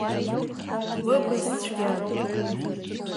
Лыбз цәгьан.